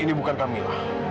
ini bukan kamila